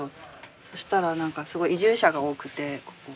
そしたら何かすごい移住者が多くてここ。